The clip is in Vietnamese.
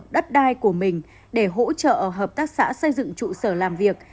đất đai của mình để hỗ trợ hợp tác xã xây dựng trụ sở làm việc